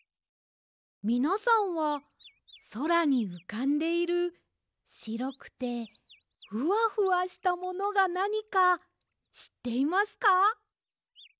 みなさんはそらにうかんでいるしろくてフワフワしたものがなにかしっていますか？